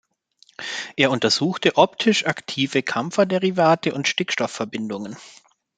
Er untersuchte optisch aktive Campher-Derivate und Stickstoffverbindungen.